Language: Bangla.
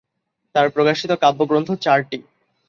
তার প্রকাশিত কাব্যগ্রন্থ চারটি।